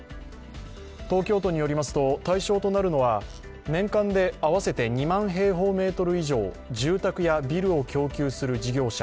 東京都によりますと、対象となるのは年間で合わせて２万平方メートル以上、住宅やビルを供給する事業者